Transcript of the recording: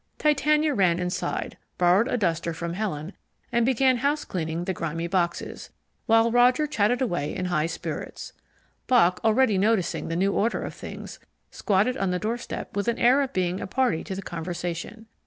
Titania ran inside, borrowed a duster from Helen, and began housecleaning the grimy boxes, while Roger chatted away in high spirits. Bock already noticing the new order of things, squatted on the doorstep with an air of being a party to the conversation.